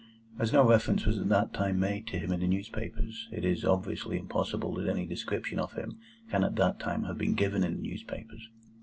As no reference was at that time made to him in the newspapers, it is obviously impossible that any description of him can at that time have been given in the newspapers.